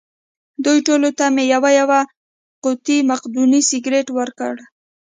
دوی ټولو ته مې یوه یوه قوطۍ مقدوني سګرېټ ورکړل.